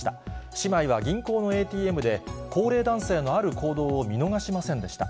姉妹は銀行のＡＴＭで、高齢男性のある行動を見逃しませんでした。